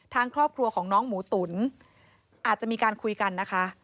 ทางครอบครัวของน้องหมูตุ๋นอาจจะมีการคุยกันนะคะ